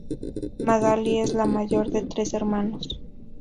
Magaly es la mayor de tres hermanos.